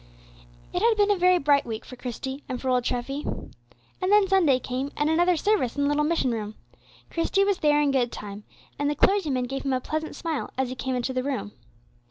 It had been a very bright week for Christie and for old Treffy. And then Sunday came, and another service in the little mission room. Christie was there in good time, and the clergyman gave him a pleasant smile as he came into the room.